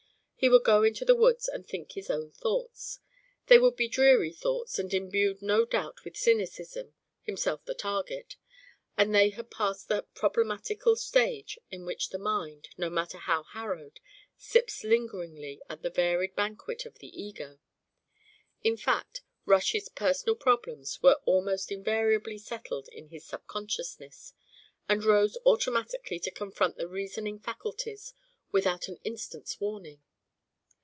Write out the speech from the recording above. He would go into the woods and think his own thoughts. They would be dreary thoughts and imbued no doubt with cynicism, himself the target; and they had passed that problematical stage in which the mind, no matter how harrowed, sips lingeringly at the varied banquet of the ego; in fact, Rush's personal problems were almost invariably settled in his subconsciousness, and rose automatically to confront the reasoning faculties without an instant's warning.